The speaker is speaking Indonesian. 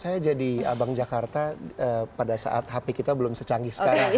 saya jadi abang jakarta pada saat hp kita belum secanggih sekarang